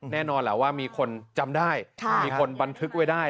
แน่นอนแหละว่ามีคนจำได้มีคนบันทึกไว้ได้